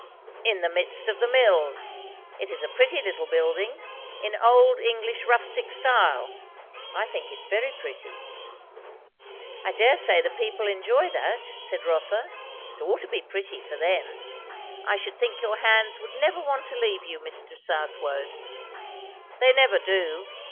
"In the midst of the mills. It is a pretty little building in old English rustic style; I think it very pretty." "I dare say the people enjoy that," said Rotha. "It ought to be pretty, for them. I should think your hands would never want to leave you, Mr. Southwode." "They never do.